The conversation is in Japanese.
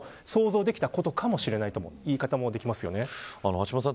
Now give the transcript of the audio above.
橋下さん